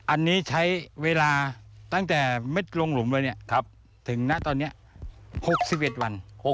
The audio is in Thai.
อันนี้ใช้เวลาตั้งแต่เม็ดลงหลุมเลยถึงณตอนนี้๖๑วัน